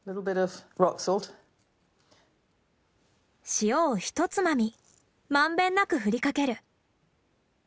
塩をひとつまみ満遍なく振りかける。